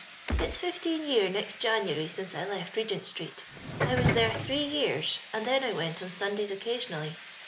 " It's fifteen year next January since I left Bcgent street. I was there three years, and then I went on Sundays occasionally.